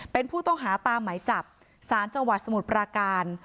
เป็นผู้ต้องหาตามหมายจับสารจังหวัดสมุทรปราการ